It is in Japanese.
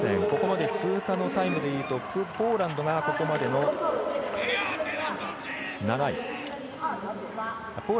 ここまで通過のタイムでいうとポーランドがここまでの８位。